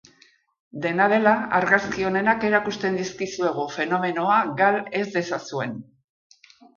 Dena dela, argazki onenak erakusten dizkizuegu, fenomenoa gal ez dezazuen.